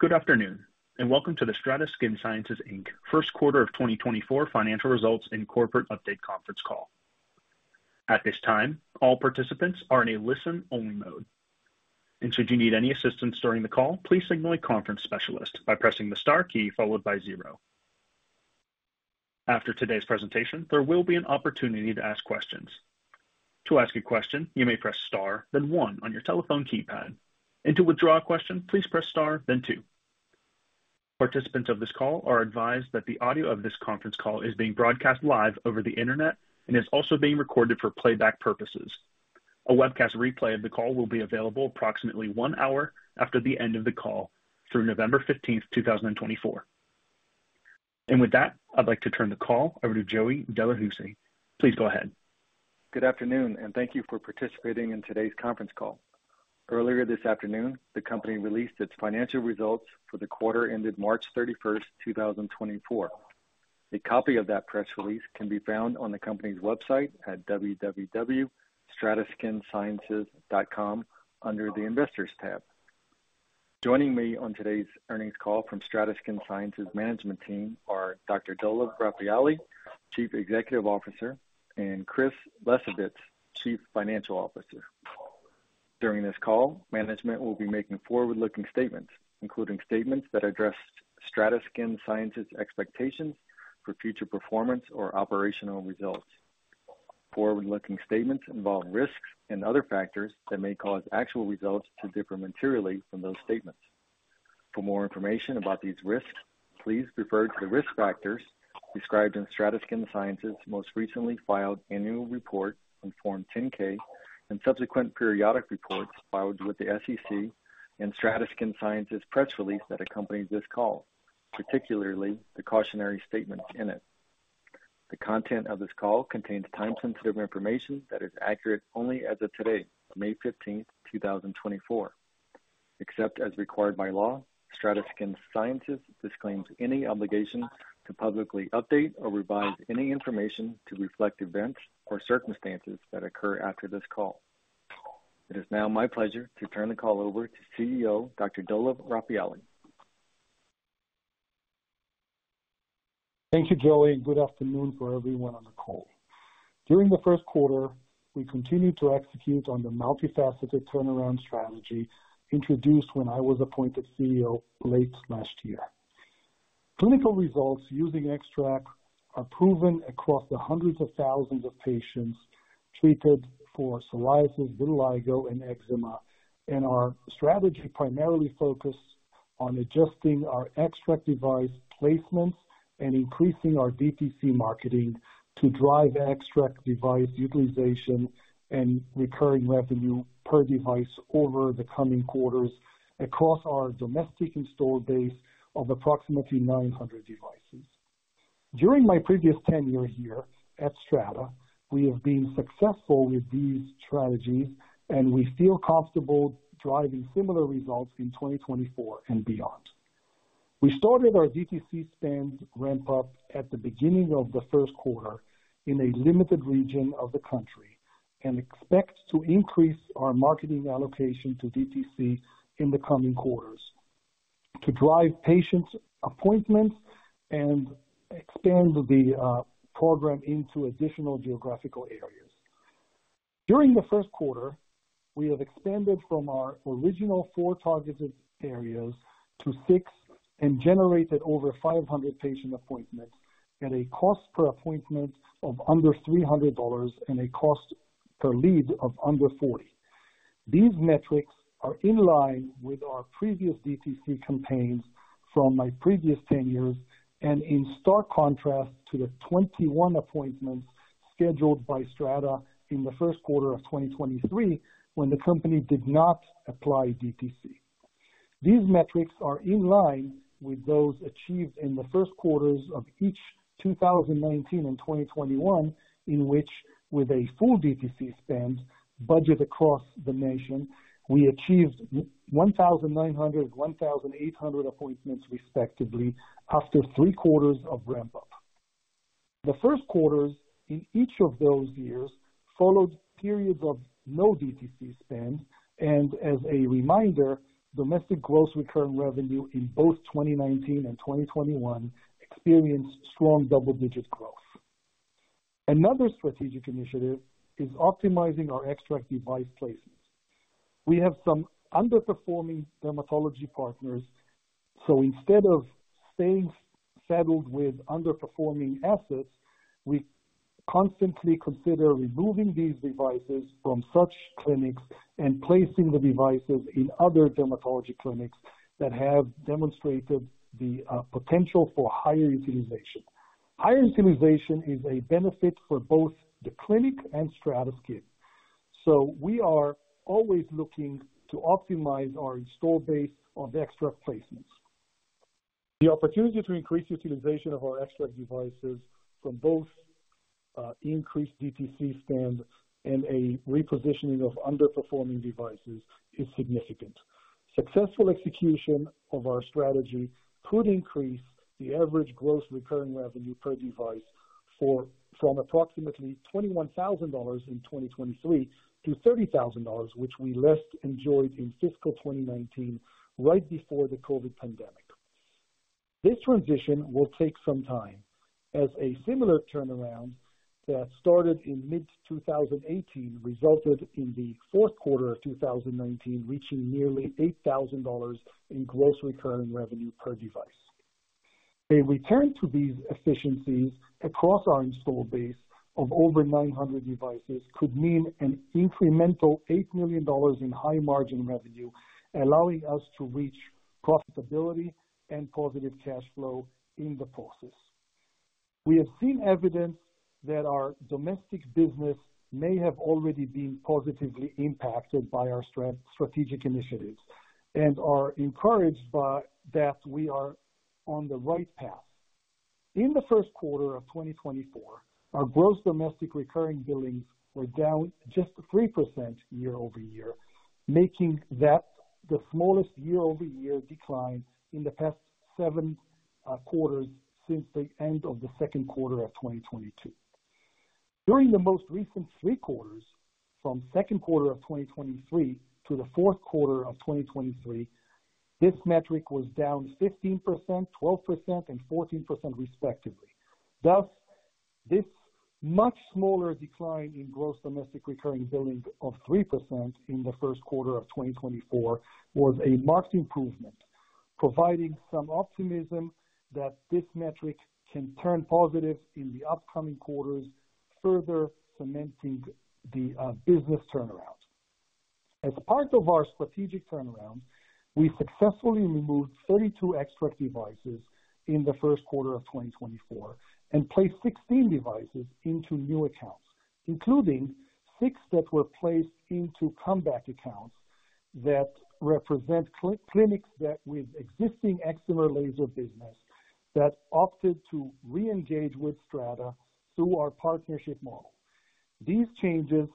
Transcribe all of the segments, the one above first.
Good afternoon and welcome to the STRATA Skin Sciences, Inc. first quarter of 2024 financial results and corporate update conference call. At this time, all participants are in a listen-only mode. Should you need any assistance during the call, please signal a conference specialist by pressing the star key followed by 0. After today's presentation, there will be an opportunity to ask questions. To ask a question, you may press * then 1 on your telephone keypad, and to withdraw a question, please press * then 2. Participants of this call are advised that the audio of this conference call is being broadcast live over the internet and is also being recorded for playback purposes. A webcast replay of the call will be available approximately one hour after the end of the call through November 15, 2024. With that, I'd like to turn the call over to Joey Delahoussaye. Please go ahead. Good afternoon and thank you for participating in today's conference call. Earlier this afternoon, the company released its financial results for the quarter ended March 31, 2024. A copy of that press release can be found on the company's website at www.strataskinsciences.com under the Investors tab. Joining me on today's earnings call from STRATA Skin Sciences management team are Dr. Dolev Rafaeli, Chief Executive Officer, and Chris Lesovitz, Chief Financial Officer. During this call, management will be making forward-looking statements, including statements that address STRATA Skin Sciences' expectations for future performance or operational results. Forward-looking statements involve risks and other factors that may cause actual results to differ materially from those statements. For more information about these risks, please refer to the risk factors described in STRATA Skin Sciences' most recently filed annual report on Form 10-K and subsequent periodic reports filed with the SEC and STRATA Skin Sciences press release that accompanies this call, particularly the cautionary statements in it. The content of this call contains time-sensitive information that is accurate only as of today, May 15, 2024. Except as required by law, STRATA Skin Sciences disclaims any obligation to publicly update or revise any information to reflect events or circumstances that occur after this call. It is now my pleasure to turn the call over to CEO Dr. Dolev Rafaeli. Thank you, Joey, and good afternoon for everyone on the call. During the first quarter, we continued to execute on the multifaceted turnaround strategy introduced when I was appointed CEO late last year. Clinical results using XTRAC are proven across the hundreds of thousands of patients treated for psoriasis, vitiligo, and eczema, and our strategy primarily focused on adjusting our XTRAC device placements and increasing our DTC marketing to drive XTRAC device utilization and recurring revenue per device over the coming quarters across our domestic installed base of approximately 900 devices. During my previous tenure here at STRATA, we have been successful with these strategies, and we feel comfortable driving similar results in 2024 and beyond. We started our DTC spend ramp-up at the beginning of the first quarter in a limited region of the country and expect to increase our marketing allocation to DTC in the coming quarters to drive patient appointments and expand the program into additional geographical areas. During the first quarter, we have expanded from our original four targeted areas to six and generated over 500 patient appointments at a cost per appointment of under $300 and a cost per lead of under $40. These metrics are in line with our previous DTC campaigns from my previous tenures and in stark contrast to the 21 appointments scheduled by STRATA in the first quarter of 2023 when the company did not apply DTC. These metrics are in line with those achieved in the first quarters of each 2019 and 2021 in which, with a full DTC spend budget across the nation, we achieved 1,900 and 1,800 appointments respectively after three quarters of ramp-up. The first quarters in each of those years followed periods of no DTC spend, and as a reminder, domestic gross recurring revenue in both 2019 and 2021 experienced strong double-digit growth. Another strategic initiative is optimizing our XTRAC device placements. We have some underperforming dermatology partners, so instead of staying saddled with underperforming assets, we constantly consider removing these devices from such clinics and placing the devices in other dermatology clinics that have demonstrated the potential for higher utilization. Higher utilization is a benefit for both the clinic and STRATA Skin Sciences, so we are always looking to optimize our install base of XTRAC placements. The opportunity to increase utilization of our XTRAC devices from both increased DTC spend and a repositioning of underperforming devices is significant. Successful execution of our strategy could increase the average gross recurring revenue per device from approximately $21,000 in 2023 to $30,000, which we last enjoyed in fiscal 2019 right before the COVID pandemic. This transition will take some time, as a similar turnaround that started in mid-2018 resulted in the fourth quarter of 2019 reaching nearly $8,000 in gross recurring revenue per device. A return to these efficiencies across our installed base of over 900 devices could mean an incremental $8 million in high-margin revenue, allowing us to reach profitability and positive cash flow in the process. We have seen evidence that our domestic business may have already been positively impacted by our strategic initiatives and are encouraged by that we are on the right path. In the first quarter of 2024, our gross domestic recurring billings were down just 3% year over year, making that the smallest year-over-year decline in the past seven quarters since the end of the second quarter of 2022. During the most recent three quarters, from second quarter of 2023 to the fourth quarter of 2023, this metric was down 15%, 12%, and 14% respectively. Thus, this much smaller decline in gross domestic recurring billing of 3% in the first quarter of 2024 was a marked improvement, providing some optimism that this metric can turn positive in the upcoming quarters, further cementing the business turnaround. As part of our strategic turnaround, we successfully removed 32 XTRAC devices in the first quarter of 2024 and placed 16 devices into new accounts, including six that were placed into comeback accounts that represent clinics with existing excimer laser business that opted to re-engage with STRATA through our partnership model. These changes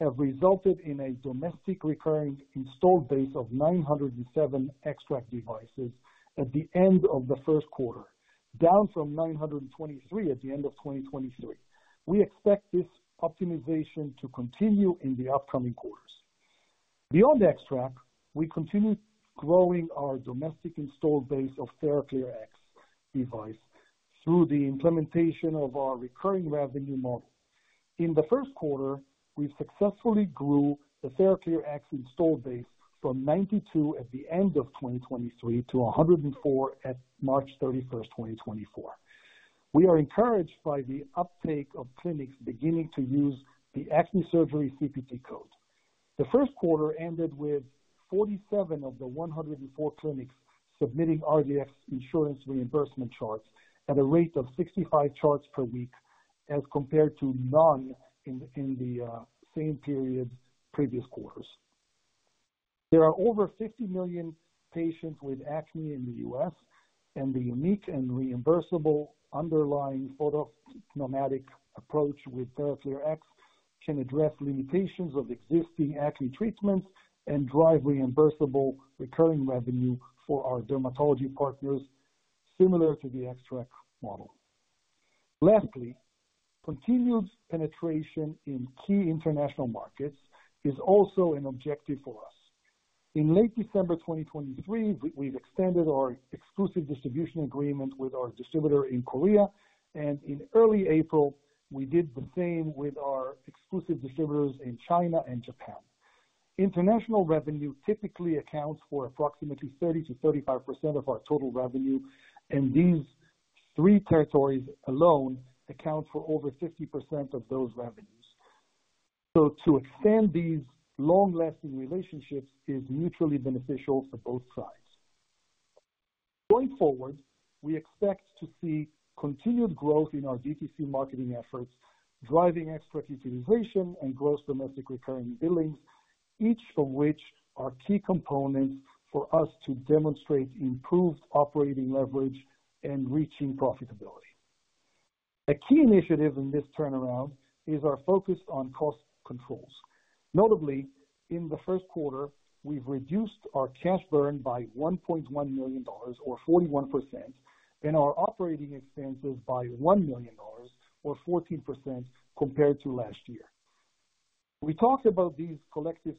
have resulted in a domestic recurring install base of 907 XTRAC devices at the end of the first quarter, down from 923 at the end of 2023. We expect this optimization to continue in the upcoming quarters. Beyond XTRAC, we continue growing our domestic install base of TheraClear X device through the implementation of our recurring revenue model. In the first quarter, we successfully grew the TheraClear X install base from 92 at the end of 2023 to104 at March 31, 2024. We are encouraged by the uptake of clinics beginning to use the Acne Surgery CPT code. The first quarter ended with 47 of the 104 clinics submitting Rx insurance reimbursement charts at a rate of 65 charts per week as compared to none in the same period previous quarters. There are over 50 million patients with acne in the U.S., and the unique and reimbursable underlying photopneumatic approach with TheraClear X can address limitations of existing acne treatments and drive reimbursable recurring revenue for our dermatology partners similar to the XTRAC model. Lastly, continued penetration in key international markets is also an objective for us. In late December 2023, we've extended our exclusive distribution agreement with our distributor in Korea, and in early April, we did the same with our exclusive distributors in China and Japan. International revenue typically accounts for approximately 30%-35% of our total revenue, and these three territories alone account for over 50% of those revenues. So to extend these long-lasting relationships is mutually beneficial for both sides. Going forward, we expect to see continued growth in our DTC marketing efforts, driving XTRAC utilization and gross domestic recurring billings, each of which are key components for us to demonstrate improved operating leverage and reaching profitability. A key initiative in this turnaround is our focus on cost controls. Notably, in the first quarter, we've reduced our cash burn by $1.1 million or 41% and our operating expenses by $1 million or 14% compared to last year. We talked about these collective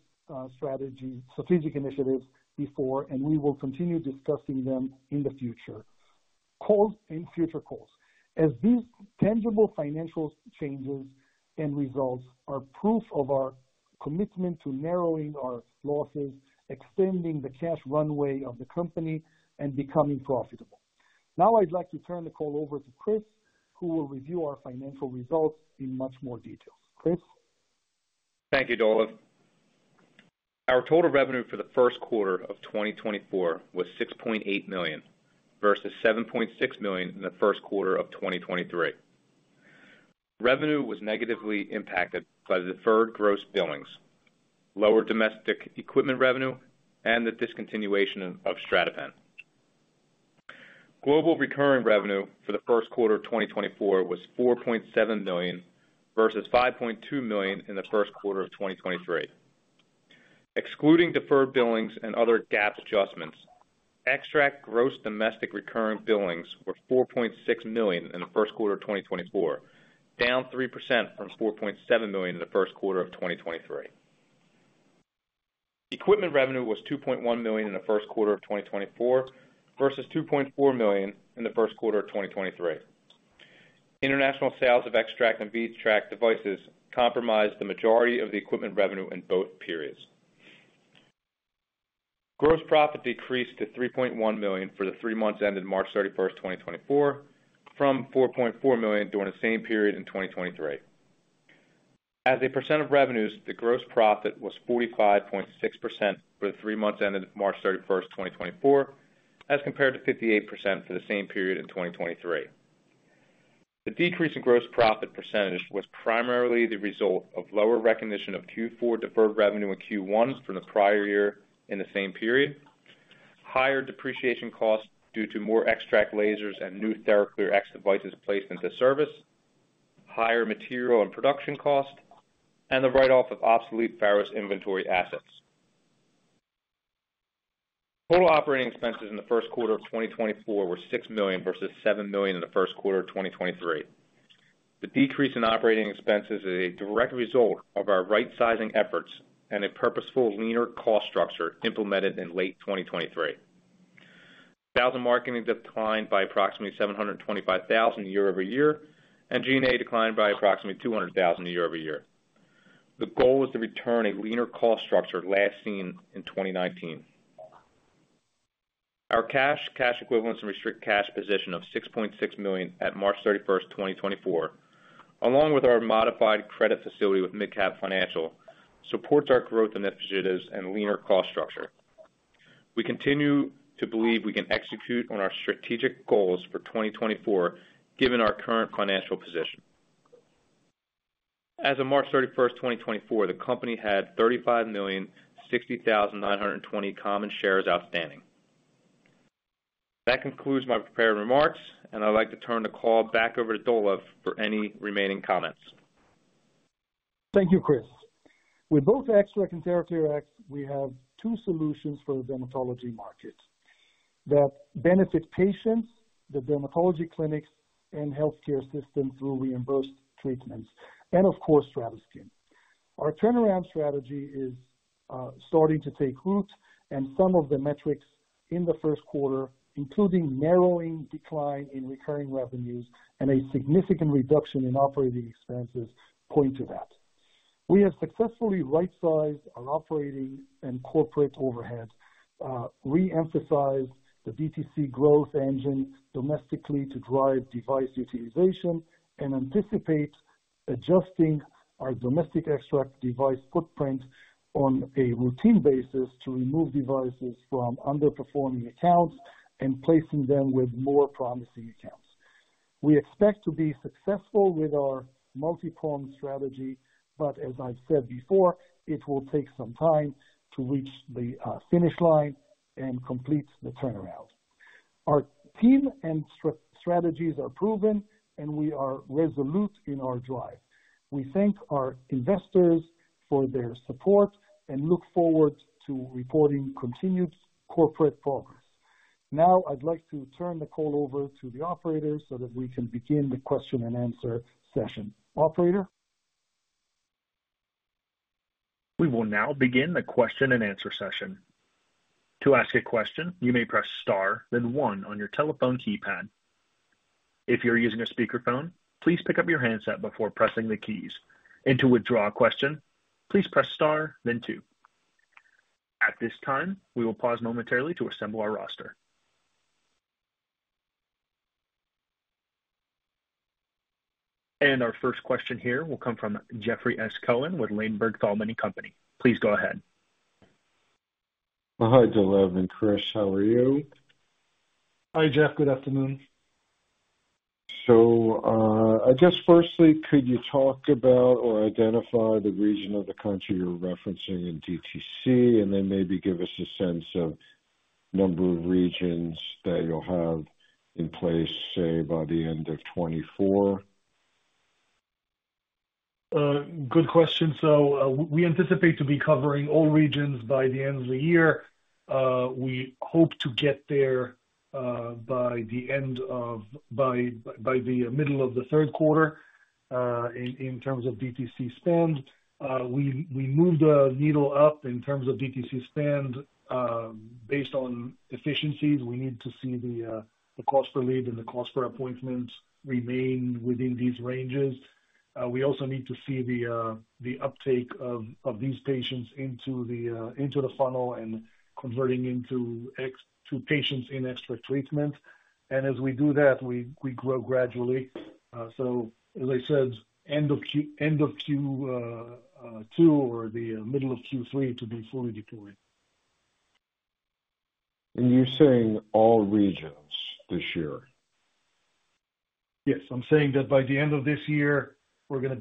strategies, strategic initiatives before, and we will continue discussing them in the future calls in future calls, as these tangible financial changes and results are proof of our commitment to narrowing our losses, extending the cash runway of the company, and becoming profitable. Now I'd like to turn the call over to Chris, who will review our financial results in much more detail. Chris? Thank you, Dolev. Our total revenue for the first quarter of 2024 was $6.8 million versus $7.6 million in the first quarter of 2023. Revenue was negatively impacted by the deferred gross billings, lower domestic equipment revenue, and the discontinuation of StrataPen. Global recurring revenue for the first quarter of 2024 was $4.7 million versus $5.2 million in the first quarter of 2023. Excluding deferred billings and other GAAP adjustments, XTRAC gross domestic recurring billings were $4.6 million in the first quarter of 2024, down 3% from $4.7 million in the first quarter of 2023. Equipment revenue was $2.1 million in the first quarter of 2024 versus $2.4 million in the first quarter of 2023. International sales of XTRAC and VTRAC devices comprised the majority of the equipment revenue in both periods. Gross profit decreased to $3.1 million for the three months ended March 31, 2024, from $4.4 million during the same period in 2023. As a percent of revenues, the gross profit was 45.6% for the three months ended March 31, 2024, as compared to 58% for the same period in 2023. The decrease in gross profit percentage was primarily the result of lower recognition of Q4 deferred revenue and Q1 from the prior year in the same period, higher depreciation costs due to more XTRAC lasers and new TheraClear X devices placed into service, higher material and production costs, and the write-off of obsolete Pharos inventory assets. Total operating expenses in the first quarter of 2024 were $6 million versus $7 million in the first quarter of 2023. The decrease in operating expenses is a direct result of our right-sizing efforts and a purposeful leaner cost structure implemented in late 2023. Sales and marketing declined by approximately $725,000 year-over-year, and G&A declined by approximately $200,000 year-over-year. The goal is to return to a leaner cost structure last seen in 2019. Our cash, cash equivalents, and restricted cash position of $6.6 million at March 31, 2024, along with our modified credit facility with MidCap Financial, supports our growth initiatives and leaner cost structure. We continue to believe we can execute on our strategic goals for 2024 given our current financial position. As of March 31, 2024, the company had 35,060,920 common shares outstanding. That concludes my prepared remarks, and I'd like to turn the call back over to Dolev for any remaining comments. Thank you, Chris. With both XTRAC and TheraClear X, we have two solutions for the dermatology market that benefit patients, the dermatology clinics, and healthcare systems through reimbursed treatments, and of course, STRATA Skin. Our turnaround strategy is starting to take root, and some of the metrics in the first quarter, including narrowing decline in recurring revenues and a significant reduction in operating expenses, point to that. We have successfully right-sized our operating and corporate overhead, reemphasized the DTC growth engine domestically to drive device utilization, and anticipate adjusting our domestic XTRAC device footprint on a routine basis to remove devices from underperforming accounts and placing them with more promising accounts. We expect to be successful with our multi-pronged strategy, but as I've said before, it will take some time to reach the finish line and complete the turnaround. Our team and strategies are proven, and we are resolute in our drive. We thank our investors for their support and look forward to reporting continued corporate progress. Now I'd like to turn the call over to the operator so that we can begin the question-and-answer session. Operator? We will now begin the question-and-answer session. To ask a question, you may press star, then one, on your telephone keypad. If you're using a speakerphone, please pick up your handset before pressing the keys. To withdraw a question, please press star, then two. At this time, we will pause momentarily to assemble our roster. Our first question here will come from Jeffrey S. Cohen with Ladenburg Thalmann & Company. Please go ahead. Hi, Dolev. And Chris, how are you? Hi, Jeff. Good afternoon. I guess firstly, could you talk about or identify the region of the country you're referencing in DTC, and then maybe give us a sense of number of regions that you'll have in place, say, by the end of 2024? Good question. So we anticipate to be covering all regions by the end of the year. We hope to get there by the middle of the third quarter in terms of DTC spend. We moved the needle up in terms of DTC spend based on efficiencies. We need to see the cost per lead and the cost per appointment remain within these ranges. We also need to see the uptake of these patients into the funnel and converting into patients in XTRAC treatment. And as we do that, we grow gradually. So as I said, end of Q2 or the middle of Q3 to be fully deployed. You're saying all regions this year? Yes. I'm saying that by the end of this year, we're going to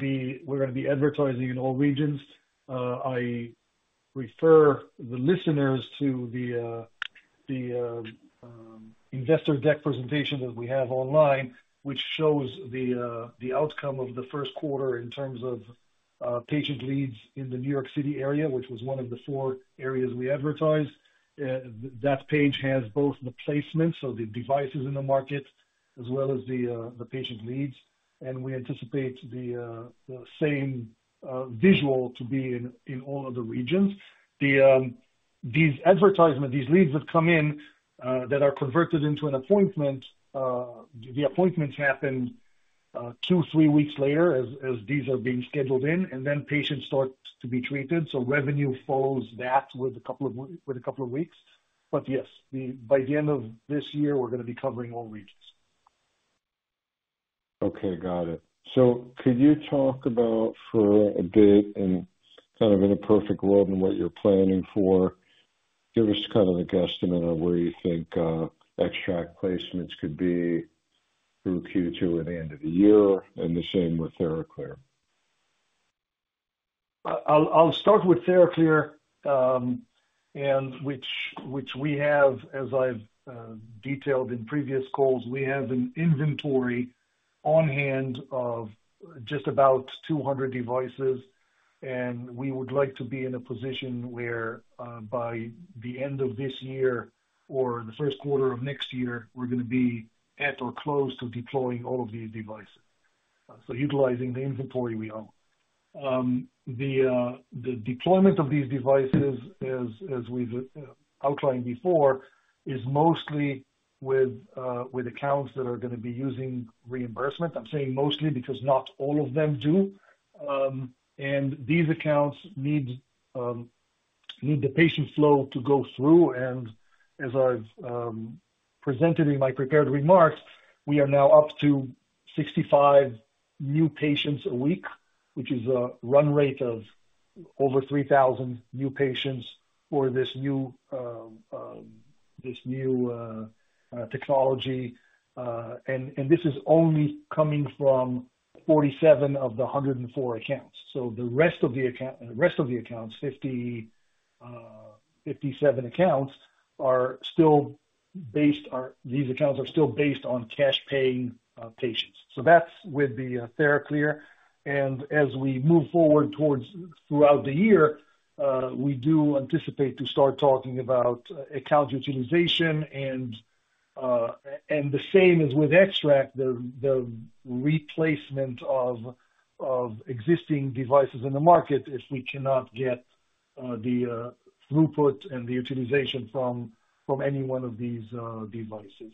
be advertising in all regions. I refer the listeners to the investor deck presentation that we have online, which shows the outcome of the first quarter in terms of patient leads in the New York City area, which was one of the four areas we advertised. That page has both the placements, so the devices in the market, as well as the patient leads. We anticipate the same visual to be in all other regions. These advertisements, these leads that come in that are converted into an appointment, the appointments happen two, three weeks later as these are being scheduled in, and then patients start to be treated. Revenue follows that with a couple of weeks. But yes, by the end of this year, we're going to be covering all regions. Okay. Got it. So could you talk about for a bit in kind of in a perfect world and what you're planning for, give us kind of a guesstimate of where you think XTRAC placements could be through Q2 at the end of the year, and the same with TheraClear? I'll start with TheraClear, which we have, as I've detailed in previous calls, we have an inventory on hand of just about 200 devices. We would like to be in a position where by the end of this year or the first quarter of next year, we're going to be at or close to deploying all of these devices, so utilizing the inventory we own. The deployment of these devices, as we've outlined before, is mostly with accounts that are going to be using reimbursement. I'm saying mostly because not all of them do. These accounts need the patient flow to go through. As I've presented in my prepared remarks, we are now up to 65 new patients a week, which is a run rate of over 3,000 new patients for this new technology. This is only coming from 47 of the 104 accounts. So the rest of the accounts, 57 accounts, are still based. These accounts are still based on cash-paying patients. So that's with the TheraClear. And as we move forward throughout the year, we do anticipate to start talking about account utilization. And the same is with XTRAC, the replacement of existing devices in the market if we cannot get the throughput and the utilization from any one of these devices.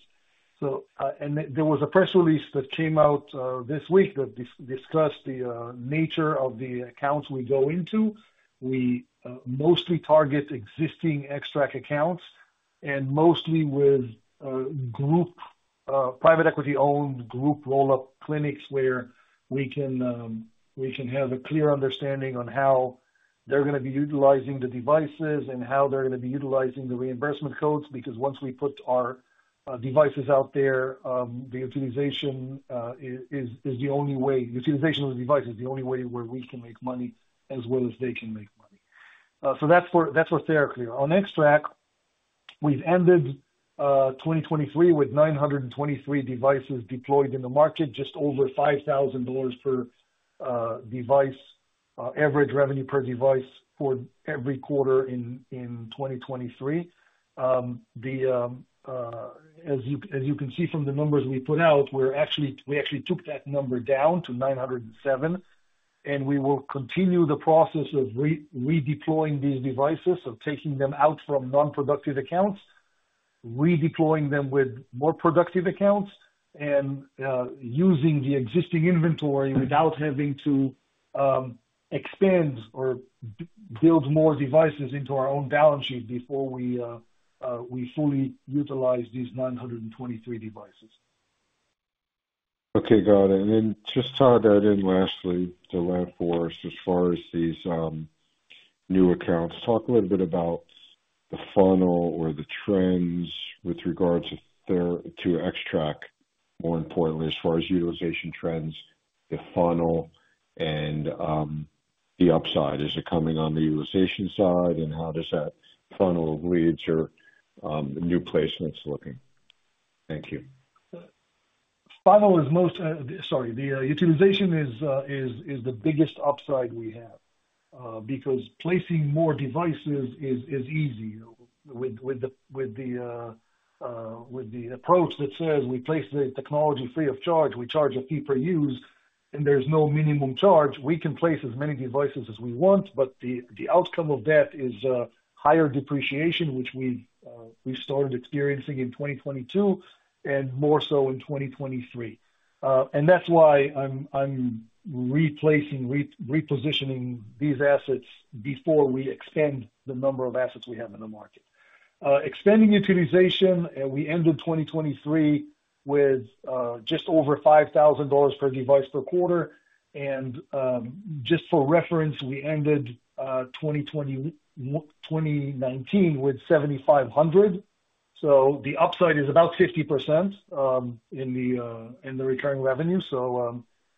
And there was a press release that came out this week that discussed the nature of the accounts we go into. We mostly target existing XTRAC accounts and mostly with private equity-owned group roll-up clinics where we can have a clear understanding on how they're going to be utilizing the devices and how they're going to be utilizing the reimbursement codes. Because once we put our devices out there, the utilization is the only way utilization of the device is the only way where we can make money as well as they can make money. So that's with TheraClear. On XTRAC, we've ended 2023 with 923 devices deployed in the market, just over $5,000 per device average revenue per device for every quarter in 2023. As you can see from the numbers we put out, we actually took that number down to 907. We will continue the process of redeploying these devices, of taking them out from non-productive accounts, redeploying them with more productive accounts, and using the existing inventory without having to expand or build more devices into our own balance sheet before we fully utilize these 923 devices. Okay. Got it. And then just tie that in lastly, Dolev, for us, as far as these new accounts, talk a little bit about the funnel or the trends with regards to XTRAC, more importantly, as far as utilization trends, the funnel, and the upside. Is it coming on the utilization side, and how does that funnel of leads or new placements looking? Thank you. Funnel is most sorry, the utilization is the biggest upside we have because placing more devices is easy. With the approach that says we place the technology free of charge, we charge a fee per use, and there's no minimum charge, we can place as many devices as we want. But the outcome of that is higher depreciation, which we've started experiencing in 2022 and more so in 2023. That's why I'm replacing, repositioning these assets before we expand the number of assets we have in the market. Expanding utilization, we ended 2023 with just over $5,000 per device per quarter. Just for reference, we ended 2019 with $7,500. So the upside is about 50% in the recurring revenue.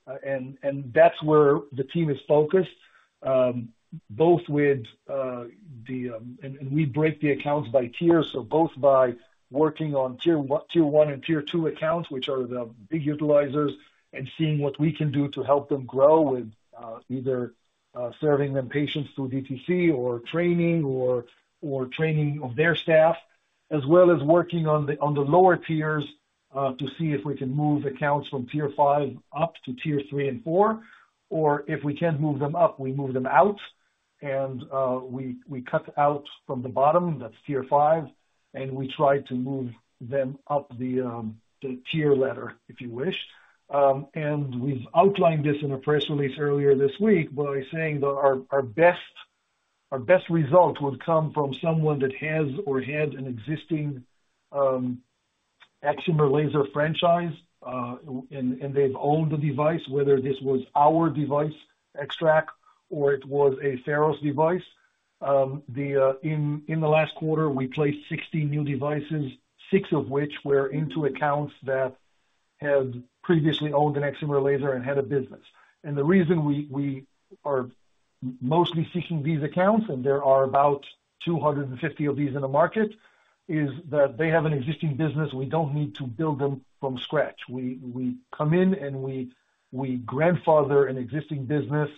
That's where the team is focused, both with the and we break the accounts by tiers. So both by working on Tier 1 and Tier 2 accounts, which are the big utilizers, and seeing what we can do to help them grow with either serving them patients through DTC or training or training of their staff, as well as working on the lower tiers to see if we can move accounts from Tier 5 up to Tier 3 and 4. Or if we can't move them up, we move them out, and we cut out from the bottom. That's Tier 5. And we try to move them up the tier ladder, if you wish. And we've outlined this in a press release earlier this week by saying that our best result would come from someone that has or had an existing excimer laser franchise, and they've owned the device, whether this was our device, XTRAC, or it was a Pharos device. In the last quarter, we placed 60 new devices, six of which were into accounts that had previously owned an excimer laser and had a business. The reason we are mostly seeking these accounts, and there are about 250 of these in the market, is that they have an existing business. We don't need to build them from scratch. We come in, and we grandfather an existing business.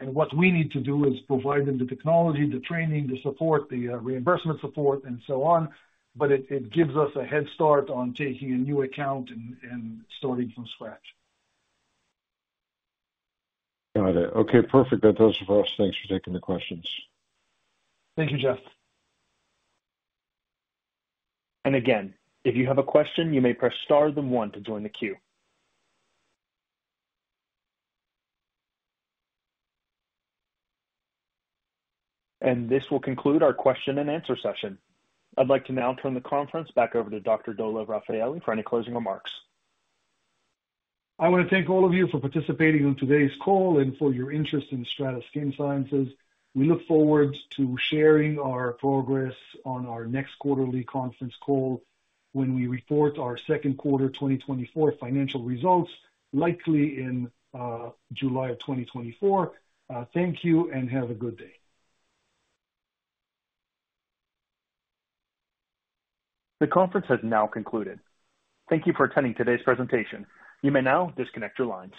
What we need to do is provide them the technology, the training, the support, the reimbursement support, and so on. It gives us a head start on taking a new account and starting from scratch. Got it. Okay. Perfect. That does it for us. Thanks for taking the questions. Thank you, Jeff. And again, if you have a question, you may press star, then one, to join the queue. This will conclude our question-and-answer session. I'd like to now turn the conference back over to Dr. Dolev Rafaeli for any closing remarks. I want to thank all of you for participating in today's call and for your interest in STRATA Skin Sciences. We look forward to sharing our progress on our next quarterly conference call when we report our second quarter 2024 financial results, likely in July of 2024. Thank you, and have a good day. The conference has now concluded. Thank you for attending today's presentation. You may now disconnect your lines.